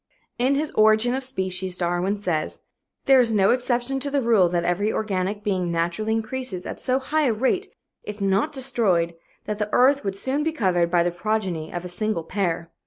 In his Origin of Species, Darwin says: "There is no exception to the rule that every organic being naturally increases at so high a rate, if not destroyed, that the earth would soon be covered by the progeny of a single pair."